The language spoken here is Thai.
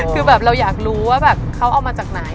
คือแบบเราอยากรู้ว่าแบบเขาเอามาจากไหน